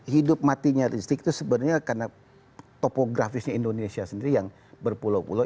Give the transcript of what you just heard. hidup matinya rizik itu sebenarnya karena topografisnya indonesia sendiri yang berpulau pulau